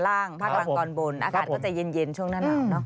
นอนล่างพักหลังก่อนบุญอากาศก็จะยินช่วงหน้าหนาว